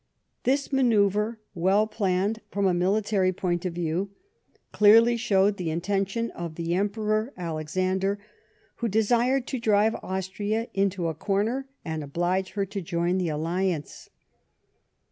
This manoeuvre, well planned from a military point of view, clearly showed the intention of the Emperor Alexander, who desired to drive Austria into a corner and oblige her to join the alliance.